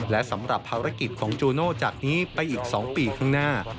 และสำหรับภารกิจของจูโน่จากนี้ไปอีก๒ปีข้างหน้า